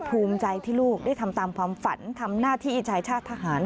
ภูมิใจที่ลูกได้ทำตามความฝันทำหน้าที่ชายชาติทหาร